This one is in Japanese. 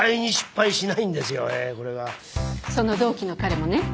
その同期の彼もね